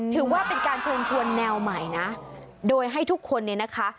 ถือว่าเป็นการเชิญชวนแนวใหม่นะโดยให้ทุกคนเนี่ยนะคะ